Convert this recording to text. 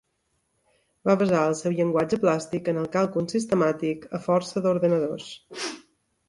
Va basar el seu llenguatge plàstic en el càlcul sistemàtic a força d'ordinadors.